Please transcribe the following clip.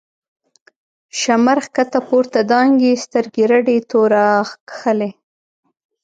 ” شمر” ښکته پورته دانگی، سترگی رډی توره کښلی